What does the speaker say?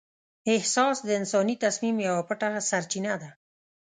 احساس د انساني تصمیم یوه پټه سرچینه ده.